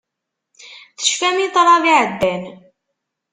Tecfam i ṭṭrad iɛeddan.